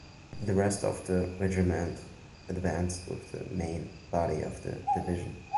The rest of the regiment advanced with the main body of the division.